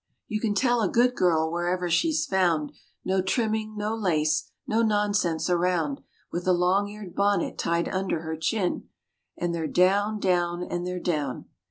You can tell a good girl wherever she's found; No trimming, no lace, no nonsense around; With a long eared bonnet tied under her chin, ............ And they're down, down, and they're down.